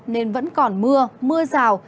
nên vẫn còn mưa mưa rào